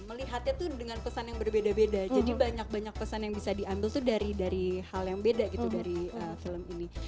melihatnya tuh dengan pesan yang berbeda beda jadi banyak banyak pesan yang bisa diambil tuh dari hal yang beda gitu dari film ini